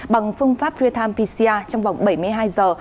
bằng phương pháp real time pcr trong vòng bảy mươi hai giờ